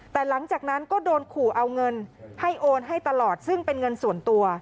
แต่หลังจากนั้นก็โดนขู่เอาเงินให้โอนให้ตลอดซึ่งเป็นเงินส่วนตัว